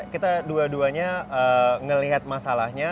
kita dua duanya melihat masalahnya